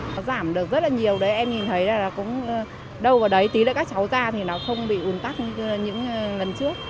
nó giảm được rất là nhiều đấy em nhìn thấy là nó cũng đâu vào đấy tí nữa các cháu ra thì nó không bị ủn tắc như những lần trước